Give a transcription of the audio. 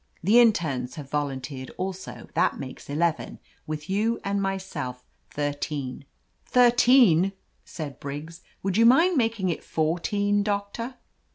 The internes have volunteered, also, that makes eleven; with you and myself, thir teen." "Thirteen !" said Briggs. "Would you mind making it fourteen, Doctor?"